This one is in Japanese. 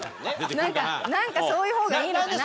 なんかなんかそういう方がいいのかな。